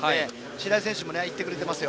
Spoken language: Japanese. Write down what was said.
白井選手もいってくれています。